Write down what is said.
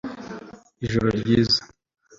ijoro ryijoro